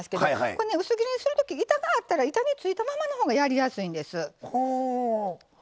薄切りにする時板があったら板についたままの方がやりやすいんです。